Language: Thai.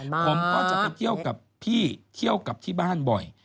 ผมก็จะไปเที่ยวกับพี่เที่ยวกลับที่บ้านบ่อย